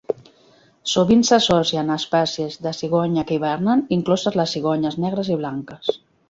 Sovint s'associen a espècies de cigonya que hivernen, incloses les cigonyes negres i blanques.